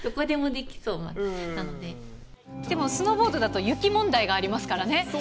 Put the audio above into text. でもスノーボードだと雪問題がありますからね。